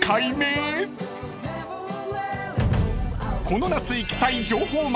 ［この夏行きたい情報満載］